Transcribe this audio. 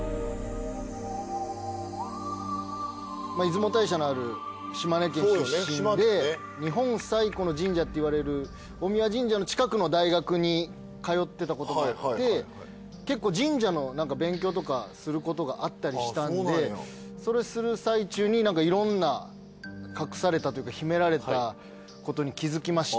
出雲大社のある島根県出身で日本最古の神社っていわれる大神神社の近くの大学に通ってたこともあって結構神社の勉強とかすることがあったりしたんでそれする最中にいろんな隠されたというか秘められたことに気づきまして。